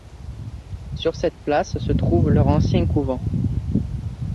Sur cette place se trouve leur ancien couvent.